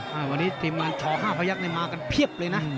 วันนี้ทีมงานชอ๕พยักษ์มากันเพียบเลยนะ